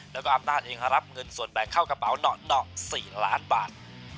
แล้วก็อำนาจเองรับเงินส่วนแบ่งเข้ากระเป๋าหนา๔ล้านบาท